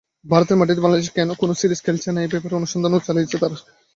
ভারতের মাটিতে বাংলাদেশ কেন কোনো সিরিজ খেলছে না—এ ব্যাপারে অনুসন্ধানও চালিয়েছে তারা।